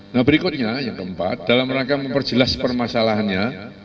nah berikutnya yang keempat dalam rangka memperjelas permasalahannya